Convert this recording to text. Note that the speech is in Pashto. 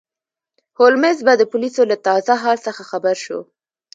هولمز به د پولیسو له تازه حال څخه خبر شو.